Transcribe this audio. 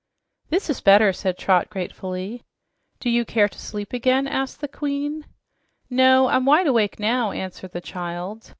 "This is better," said Trot gratefully. "Do you care to sleep again?" asked the Queen. "No, I'm wide awake now," answered the child.